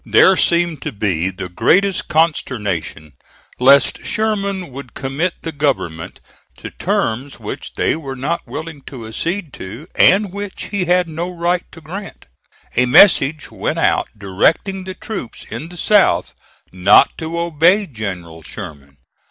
There seemed to be the greatest consternation, lest Sherman would commit the government to terms which they were not willing to accede to and which he had no right to grant. A message went out directing the troops in the South not to obey General Sherman.